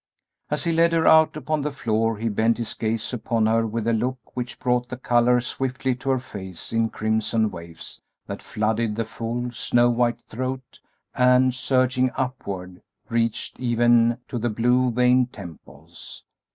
As he led her out upon the floor he bent his gaze upon her with a look which brought the color swiftly to her face in crimson waves that flooded the full, snow white throat and, surging upward, reached even to the blue veined temples.